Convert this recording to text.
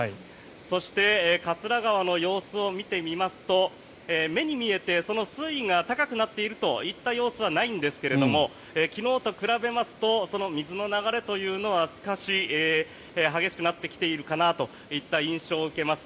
そして桂川の様子を見てみますと目に見えてその水位が高くなっているといった様子はないんですが昨日と比べますと水の流れというのは少し激しくなってきているかなという印象を受けます。